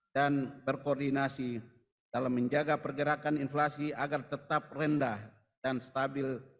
berkoordinasi dalam menjaga pergerakan inflasi agar tetap rendah dan stabil